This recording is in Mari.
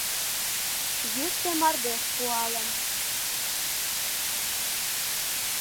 Йӱштӧ мардеж пуалын.